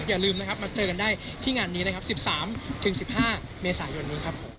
อย่าลืมนะครับมาเจอกันได้ที่งานนี้๑๓๑๕เมษายน